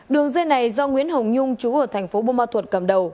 đường dây này do nguyễn hồng nhung chú ở thành phố bô ma thuật cầm đầu